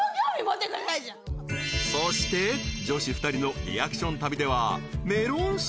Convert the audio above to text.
［そして女子２人のリアクション旅では］